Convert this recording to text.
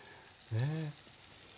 ねえ。